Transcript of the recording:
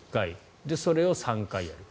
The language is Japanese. それを３回やる。